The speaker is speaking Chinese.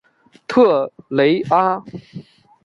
特雷阿。